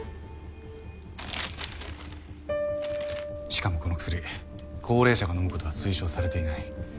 しかもこの薬高齢者が飲むことは推奨されていない。